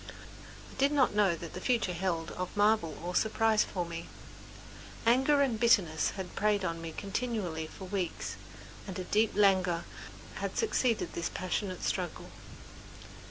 I did not know what the future held of marvel or surprise for me. Anger and bitterness had preyed upon me continually for weeks and a deep languor had succeeded this passionate struggle.